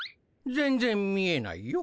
全然見えないよ。